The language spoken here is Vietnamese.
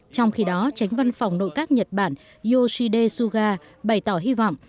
trong khi đó tránh văn phòng nội các nhật bản yoshide suga bày tỏ hy vọng